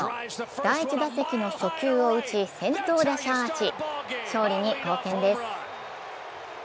第１打席の初球を打ち先頭打者アーチ、勝利に貢献です。